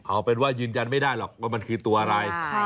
เอาเป็นว่ายืนยันไม่ได้หรอกว่ามันคือตัวอะไร